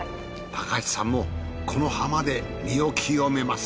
高橋さんもこの浜で身を清めます。